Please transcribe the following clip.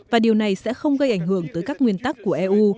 và điều này sẽ không gây ảnh hưởng tới các nguyên tắc của eu